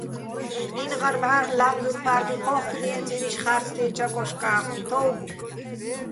ნინო̆ღარ მჵარ'ლ ლა́მზურ ფა́რდი ჴო́ხკდიეჼ წინიშ ხა́რცდიენჩო̆ აკოშკა́ხ, თო́უგო̆.